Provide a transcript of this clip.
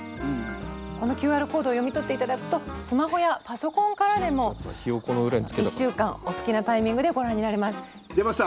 このＱＲコードを読み取って頂くとスマホやパソコンからでも１週間お好きなタイミングでご覧になれます。出ました。